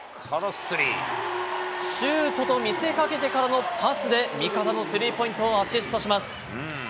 シュートと見せかけてからのパスで味方のスリーポイントをアシストします。